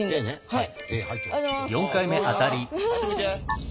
はい。